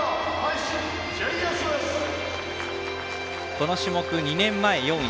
この種目２年前４位。